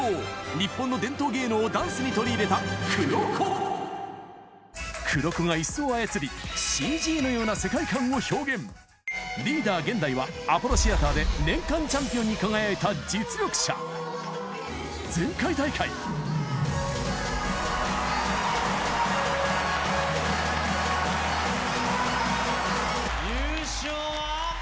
日本の伝統芸能をダンスに取り入れた ＫＵＲＯＫＯ が椅子を操り ＣＧ のような世界観を表現リーダー ＧＥＮＤＡＩ はアポロシアターで年間チャンピオンに輝いた実力者前回大会優勝は。